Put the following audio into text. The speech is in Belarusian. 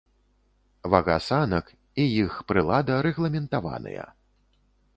Вага санак і іх прылада рэгламентаваныя.